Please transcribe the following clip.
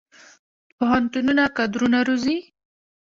پوهنتونونه کادرونه روزي